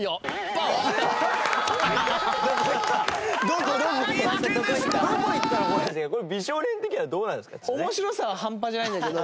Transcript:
これ美少年的にはどうなんですか？